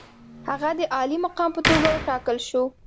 هغه د عالي مقام په توګه وټاکل شو.